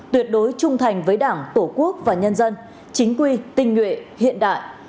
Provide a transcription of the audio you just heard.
tuyệt đối trung thành với đảng tổ quốc và nhân dân chính quy tinh nguyện hiện đại